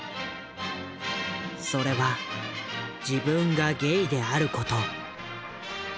それは自分がゲイであること。